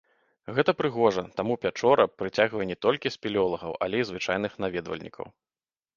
Гэта прыгожа, таму пячора прыцягвае не толькі спелеолагаў, але і звычайных наведвальнікаў.